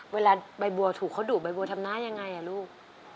เวลาใบบัวถูกเขาดุใบบัวทำหน้ายังไงลูก